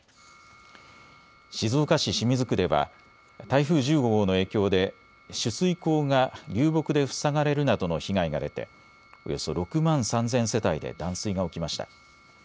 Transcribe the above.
静岡市清水区では台風１５号の影響で取水口が流木で塞がれるなどの被害が出ておよそ６万３０００世帯で断水が起きました。